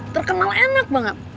terkenal enak banget